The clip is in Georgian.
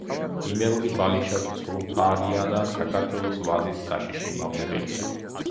იმერული ბალიშა ცრუფარიანა საქართველოს ვაზის საშიში მავნებელია.